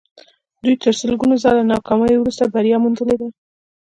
دوی تر سلګونه ځله ناکامیو وروسته بریا موندلې ده